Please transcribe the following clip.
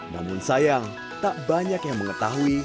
namun sayang tak banyak yang mengetahui